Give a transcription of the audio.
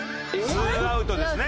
２アウトですね。